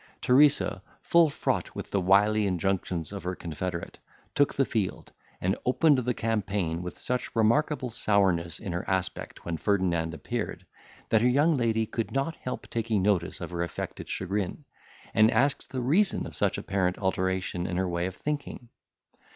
Teresa, full fraught with the wily injunctions of her confederate, took the field, and opened the campaign with such remarkable sourness in her aspect when Ferdinand appeared, that her young lady could not help taking notice of her affected chagrin, and asked the reason of such apparent alteration in her way of thinking.